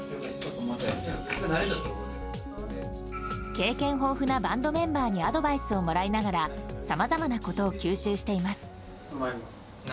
経験豊富なバンドメンバーにアドバイスをもらいながらさまざまなことを吸収しています。